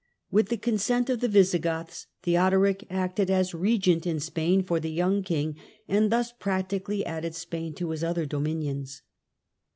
With the consent of the Visigoths Theodoric acted as regent in Spain for the young king, and thus practically added Spain to his other dominions.